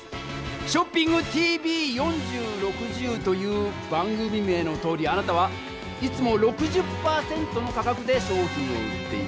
「ショッピングＴＶ４０／６０」という番組名のとおりあなたはいつも６０％の価格で商品を売っていた。